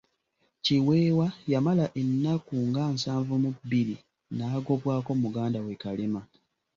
Kiweewa yamala ennaku nga nsanvu mu bbiri, n'agobwako muganda we Kalema.